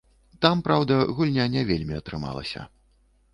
Там, праўда, гульня не вельмі атрымалася.